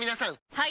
はい！